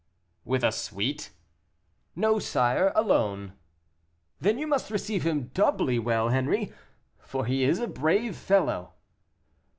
"With a suite?" "No, sire, alone." "Then you must receive him doubly well, Henri, for he is a brave fellow."